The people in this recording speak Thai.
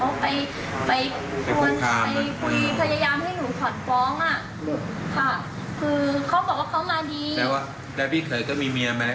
ในพิการนี้ครับอีกครั้งหนึ่งที่ก็คิดว่า